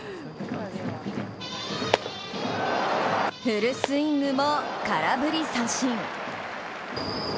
フルスイングも空振り三振。